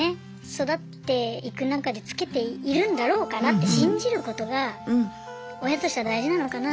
育っていく中でつけているんだろうかなって信じることが親としては大事なのかな。